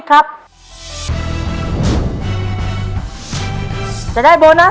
ตัวเลือกที่๔รสชนต้นไม้